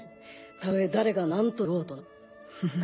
たとえ誰がなんと言おうとな。